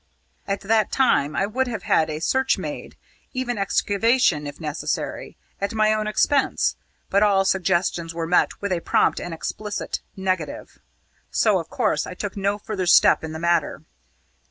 At that time I would have had a search made even excavation if necessary at my own expense, but all suggestions were met with a prompt and explicit negative. So, of course, I took no further step in the matter.